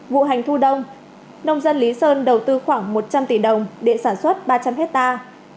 vụ hành thu đông nông dân lý sơn đầu tư khoảng một trăm linh tỷ đồng để sản xuất ba trăm linh hectare